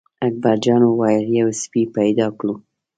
اکبر جان وویل: یو سپی به پیدا کړو.